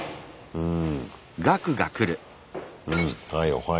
うん。